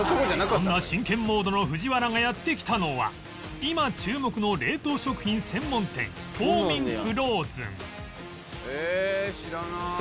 そんな真剣モードの藤原がやって来たのは今注目の冷凍食品専門店トーミン・フローズン